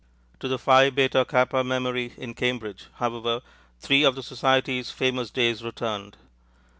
To the Phi Beta Kappa memory in Cambridge, however, three of the society's famous days returned.